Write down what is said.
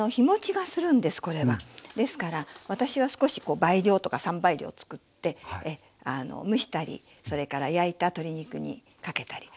ですから私は少しこう倍量とか３倍量作って蒸したりそれから焼いた鶏肉にかけたり。